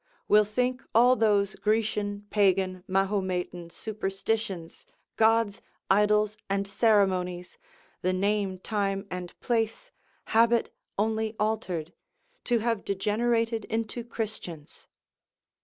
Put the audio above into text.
will think all those Grecian, Pagan, Mahometan superstitions, gods, idols, and ceremonies, the name, time and place, habit only altered, to have degenerated into Christians.